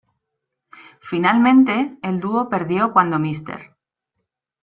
Finalmente, el dúo perdió cuando Mr.